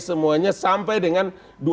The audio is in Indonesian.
semuanya sampai dengan